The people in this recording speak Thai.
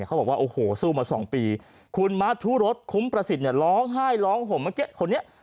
เขาบอกว่าโอโหสู้มา๒ปีคุณมัธุรตต์กมประสิทธิ์ร้องไห้ร้องห่มเมื่อกี้